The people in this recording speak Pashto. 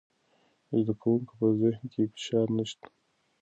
د زده کوونکو په ذهن کې فشار نشته.